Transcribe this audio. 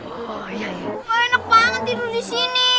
wah enak banget tidur disini